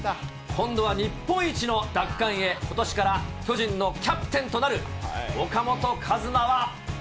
今度は日本一の奪還へ、ことしから巨人のキャプテンとなる岡本和真は。